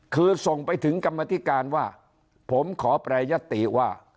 คือส่งไปถึงกรรมธิการว่าผมขอแปรยติว่า